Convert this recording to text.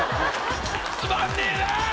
つまんねえな！